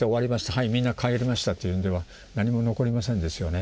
はいみんな帰りましたというんでは何も残りませんですよね。